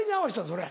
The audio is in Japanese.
それ。